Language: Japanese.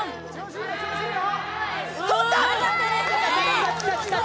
通った！！